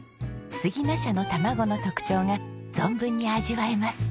すぎな舎の卵の特徴が存分に味わえます。